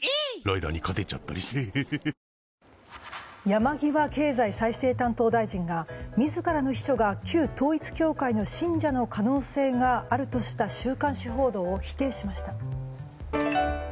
山際経済再生担当大臣が自らの秘書が旧統一教会の信者の可能性があるとした週刊誌報道を否定しました。